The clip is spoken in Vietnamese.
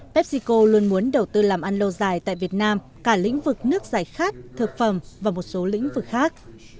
pepsico luôn muốn đầu tư làm ăn lâu dài tại việt nam cả lĩnh vực nước giải khát thực phẩm và một số lĩnh vực khác